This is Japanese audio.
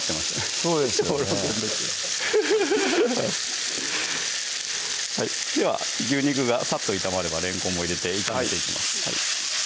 そうですよねフフフフッでは牛肉がさっと炒まればれんこんも入れて炒めていきます